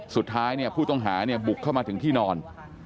สุดท้ายผู้ต้องหาบุกเข้ามาถึงที่นอน